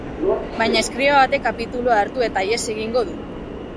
Baina, eskriba batek kapitulua hartu eta ihes egingo du.